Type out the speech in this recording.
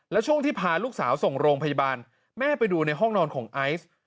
แล้วช่วงที่พาลูกสาวส่งโรงพยาบาลแม่ไปดูในห้องนอนของไอซ์